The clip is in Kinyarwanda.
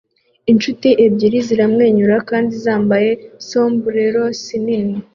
Inshuti ebyiri ziramwenyura kandi zambaye sombreros nini